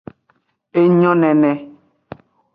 Enyo nene.